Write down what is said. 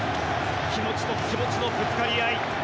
気持ちと気持ちのぶつかり合い。